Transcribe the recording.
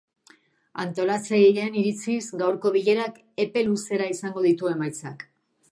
Antolatzaileen iritziz, gaurko bilerak epe luzera izango ditu emaitzak.